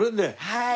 はい。